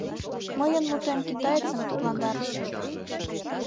Мыйын мутем китаецым тыпландарыш.